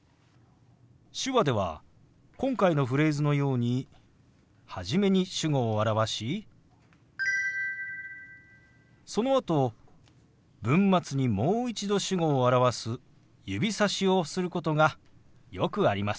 手話では今回のフレーズのように初めに主語を表しそのあと文末にもう一度主語を表す指さしをすることがよくあります。